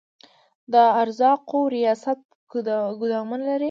د ارزاقو ریاست ګدامونه لري؟